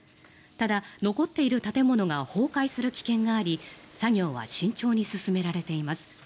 ただ、残っている建物が崩壊する危険があり作業は慎重に進められています。